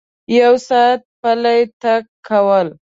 یو ساعت پلی تګ کول